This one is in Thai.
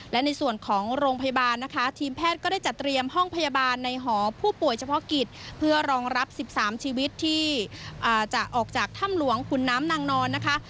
และในส่วนของโรงพยาบาลนะคะทีมแพทย์ก็ได้จัดเตรียมห้องพยาบาลในหอผู้ป่วยเฉพาะกิจเพื่อรองรับ๑๓ชีวิตที่จะออกจากถ้ำหลวงขุนน้ำนางนอนนะคะ